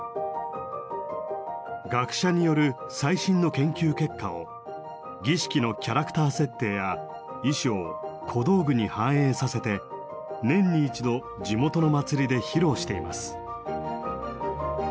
学者による最新の研究結果を儀式のキャラクター設定や衣装・小道具に反映させて年に一度地元の祭りで披露しています。